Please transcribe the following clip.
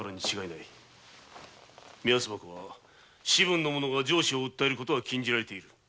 目安箱で士分の者が上司を訴える事は禁じられている。